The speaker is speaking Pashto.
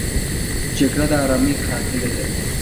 جګړه د آرامۍ قاتله ده